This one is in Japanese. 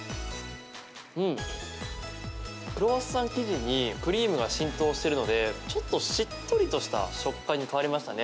クロワッサン生地にクリームが浸透しているのでちょっとしっとりとした食感に変わりましたね。